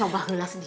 aku gak mau mami